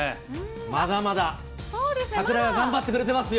まだまだ桜が頑張ってくれていますよ。